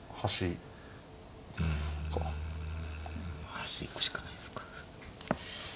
端行くしかないっすか。